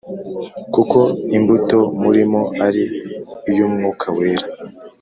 kuko imbuto imurimo ari iy’Umwuka Wera.